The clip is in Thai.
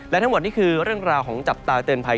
และทั้งหมดนี่คือเรื่องราวของจับตาเตือนภัย